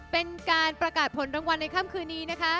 เป็นการประกาศผลรางวัลในค่ำคืนนี้นะคะ